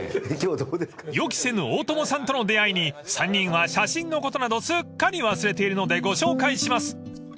［予期せぬ大友さんとの出会いに３人は写真のことなどすっかり忘れているのでご紹介します］